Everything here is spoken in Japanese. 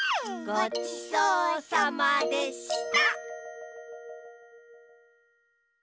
ごちそうさまでした！